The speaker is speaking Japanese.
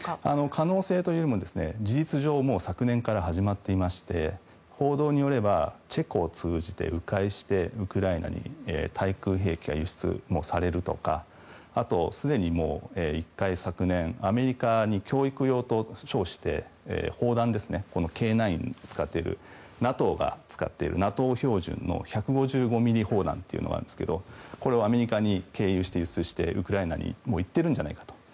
可能性というのは事実上、昨年から始まっていまして報道によればチェコを通じて迂回してウクライナに対空兵器が輸出されるとかあと、すでに１回昨年、アメリカに教育用と称して砲弾、Ｋ９を使っているＮＡＴＯが使っているＮＡＴＯ標準の１５５ミリ砲弾というのがあるんですけどこれをアメリカに経由して、輸出してウクライナに行ってるんじゃないかと。